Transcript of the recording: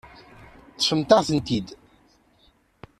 Ṭṭfemt-aɣ-tent-id.